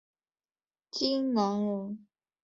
荆南人。